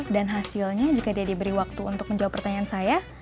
dan hasilnya jika dia diberi waktu untuk menjawab pertanyaan saya